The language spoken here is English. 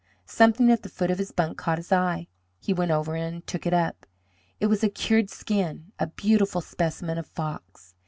Something at the foot of his bunk caught his eye. He went over and took it up. It was a cured skin a beautiful specimen of fox.